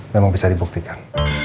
memang bisa dibuktikan